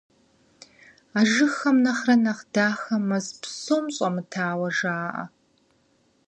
А жыгхэм нэхърэ нэхъ дахэ мэз псом щӏэмытауэ жаӏэ.